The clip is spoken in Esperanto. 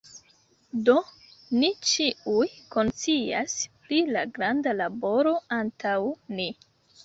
Do, ni ĉiuj konscias pri la granda laboro antaŭ ni.